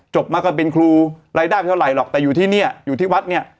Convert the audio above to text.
มาก็เป็นครูรายได้ไม่เท่าไหร่หรอกแต่อยู่ที่เนี่ยอยู่ที่วัดเนี่ย